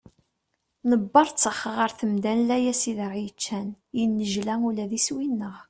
Nebberttex ɣer temda n layas i aɣ-yeččan, yennejla ula d iswi-nneɣ.